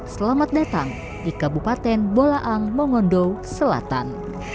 selamat datang di kabupaten bolaang mongondo selatan